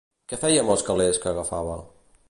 Què feia amb els calés què agafava?